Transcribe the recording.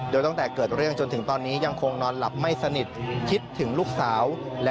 โดยตั้งแต่เกิดเรื่องจนถึงตอนนี้ยังคงนอนหลับไม่สนิทคิดถึงลูกสาว